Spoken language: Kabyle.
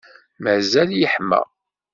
Mazal yeḥma.